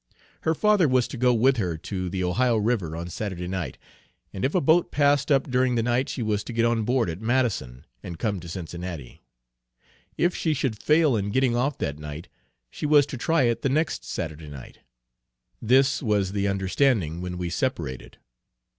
Her father was to go with her to the Ohio River on Saturday night, and if a boat passed up during the night she was to get on board at Madison, and come to Cincinnati. If she should fail in getting off that night, she was to try it the next Saturday night. This was the understanding when we separated.